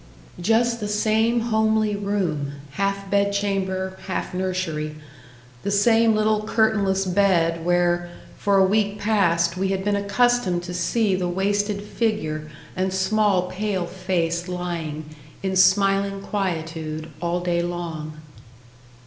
Just the same homely room half bedchamber, half nursery the same little curtainless bed where, for a week past, we had been accustomed to see the wasted figure and small pale face lying, in smiling quietude, all day long.